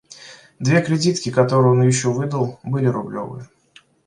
Две кредитки, которые он еще выдал, были рублевые.